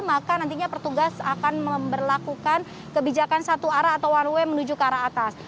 maka nantinya petugas akan memperlakukan kebijakan satu arah atau one way menuju ke arah atas